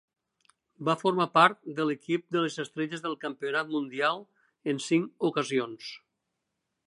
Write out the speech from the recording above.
Va formar part de l'equip de les estrelles del campionat mundial en cinc ocasions.